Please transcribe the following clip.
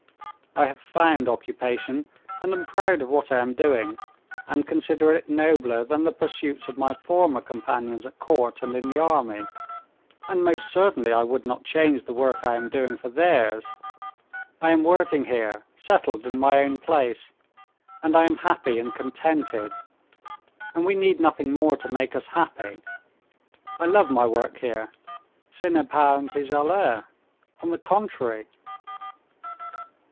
I have found occupation, and am proud of what I am doing and consider it nobler than the pursuits of my former companions at court and in the army. And most certainly I would not change the work I am doing for theirs. I am working here, settled in my own place, and I am happy and contented, and we need nothing more to make us happy. I love my work here. Ce n'est pas un pis aller, on the contrary...."